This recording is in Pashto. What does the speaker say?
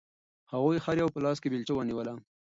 هغوی هر یو په لاس کې بیلچه ونیوله.